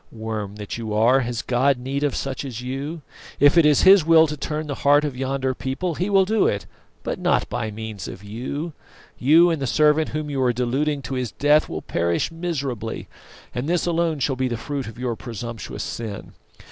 Worm that you are, has God need of such as you? If it is His will to turn the heart of yonder people He will do it, but not by means of you. You and the servant whom you are deluding to his death will perish miserably, and this alone shall be the fruit of your presumptuous sin.